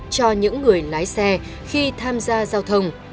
cho những người lái xe khi tham gia giao thông